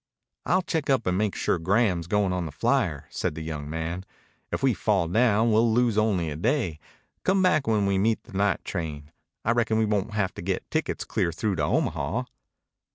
"I'll check up and make sure Graham's going on the flyer," said the young man. "If we fall down we'll lose only a day. Come back when we meet the night train. I reckon we won't have to get tickets clear through to Omaha."